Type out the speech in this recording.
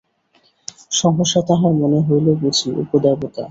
সহসা তাঁহার মনে হইল, বুঝি উপদেবতা।